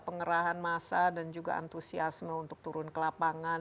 pengerahan massa dan juga antusiasme untuk turun ke lapangan